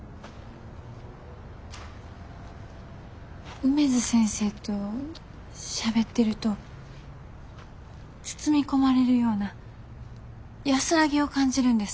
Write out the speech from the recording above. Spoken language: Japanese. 梅津先生としゃべってると包み込まれるような安らぎを感じるんです。